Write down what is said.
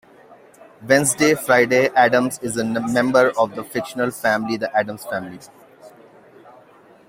Wednesday Friday Addams is a member of the fictional family The Addams Family.